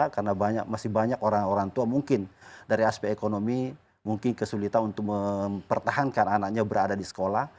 karena masih banyak orang orang tua mungkin dari aspek ekonomi mungkin kesulitan untuk mempertahankan anaknya berada di sekolah